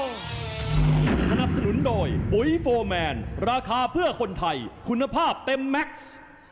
สนับสนุนโดยปุ๋ยโฟร์แมนราคาเพื่อคนไทยคุณภาพเต็มแม็กซ์